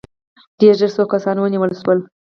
ډېر ژر څو کسان ونیول شول.